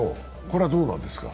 これはどうなんですか？